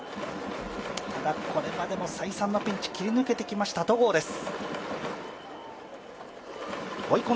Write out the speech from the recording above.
ただ、これまでも再三のピンチを切り抜けてきました戸郷です。